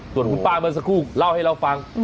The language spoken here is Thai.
ส่วนคุณป้าเมื่อสักครู่เล่าให้เราฟัง